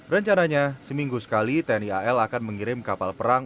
rencananya seminggu sekali tni al akan mengirim kapal perang